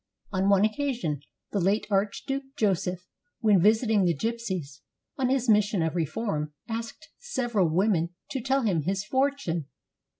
On one occa sion the late Archduke Joseph, v^^hen visiting the gypsies on his mission of reform, asked several women to tell him his fortune.